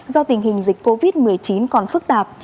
do tình hình dịch covid một mươi chín còn phức tạp